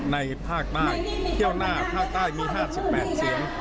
ในภาคใต้เที่ยวหน้าภาคใต้มี๕๘เสียง